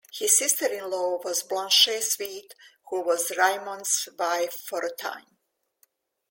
His sister-in-law was Blanche Sweet who was Raymond's wife for a time.